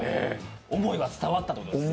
思いは伝わったということで。